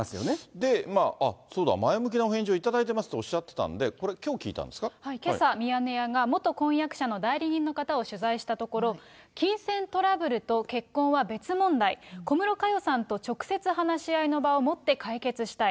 で、そうだ、前向きなお返事を頂いてますとおっしゃってたんで、これ、けさ、ミヤネ屋が元婚約者の代理人の方に聞いたところ、結婚と金銭トラブルは別問題、小室佳代さんと直接話し合いの場を持って解決したい。